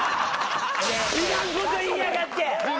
いらんこと言いやがって！